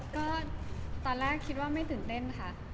ก็ตอนแรกคิดว่าไม่ตื่นเต้นค่ะ